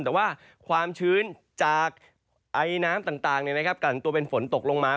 แต่ว่าความชื้นจากไอน้ำต่างกันตัวเป็นฝนตกลงมา